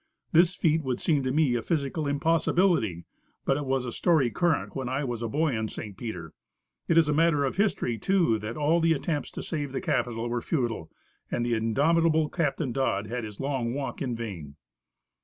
This feat would seem to me a physical impossibility, but it was a story current when I was a boy in St. Peter. It is a matter of history, too, that all the attempts to save the Capital were futile, and the indomitable Captain Dodd had his long walk in vain.